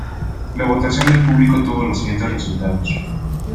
La votación del público tuvo los siguientes resultados.